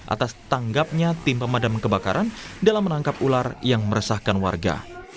atas tanggapnya tim pemadam kebakaran dalam menangkap ular yang meresahkan warga